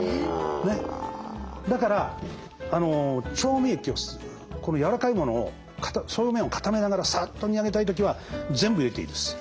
だから調味液をやわらかいものを表面を固めながらさっと煮上げたい時は全部入れていいです